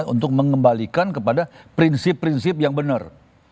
untuk mengembalikan kepada prinsip prinsip yang benar